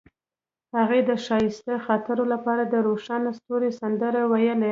هغې د ښایسته خاطرو لپاره د روښانه ستوري سندره ویله.